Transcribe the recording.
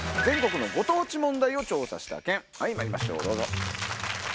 参りましょうどうぞ。